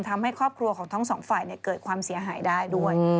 ทำให้ครอบครัวของทั้งสองฝ่ายเกิดความเสียหายได้ด้วย